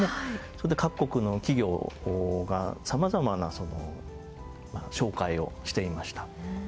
それで各国の企業が様々な紹介をしていました。